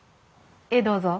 ええどうぞ。